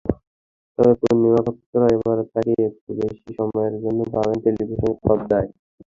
তবে পূর্ণিমাভক্তরা এবার তাঁকে একটু বেশি সময়ের জন্য পাবেন টেলিভিশনের পর্দায়।